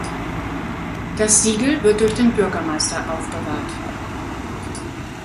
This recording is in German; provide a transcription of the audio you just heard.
Das Siegel wird durch den Bürgermeister aufbewahrt.